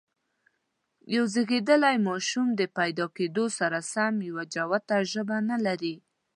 یو زېږيدلی ماشوم د پیدا کېدو سره سم یوه جوته ژبه نه لري.